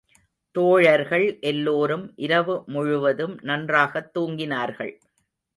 தோழர்கள் எல்லோரும் இரவு முழுவதும் நன்றாகத் தூங்கினார்கள்.